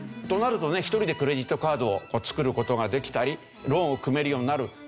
となるとね一人でクレジットカードを作る事ができたりローンを組めるようになる。